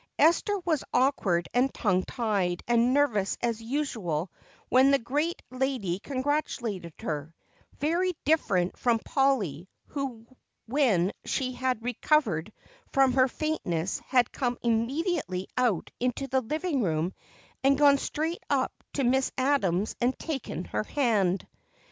Esther was awkward and tongue tied and nervous as usual when the great lady congratulated her, very different from Polly, who when she had recovered from her faintness had come immediately out into the living room and gone straight up to Miss Adams and taken her hand.